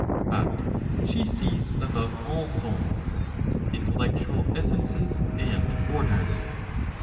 But she sees above all souls, intellectual essences and orders.